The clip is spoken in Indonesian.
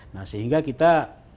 nah sehingga kita